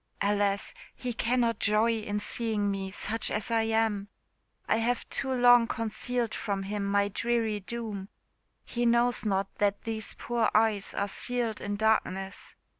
"Alas! he cannot joy in seeing me, such as I am. I have too long concealed from him my dreary doom; he knows not that these poor eyes are sealed in darkness!